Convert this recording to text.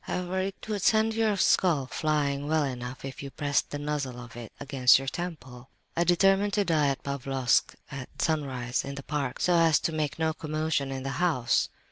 However, it would send your skull flying well enough if you pressed the muzzle of it against your temple. "I determined to die at Pavlofsk at sunrise, in the park—so as to make no commotion in the house.